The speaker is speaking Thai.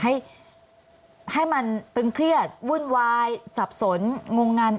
ให้มันเป็นเครียดวุ่นวายสับสนงงงาน